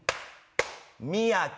みやき！